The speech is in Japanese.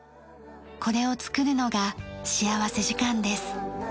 これを作るのが幸福時間です。